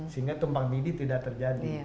sehingga tumpang mini tidak terjadi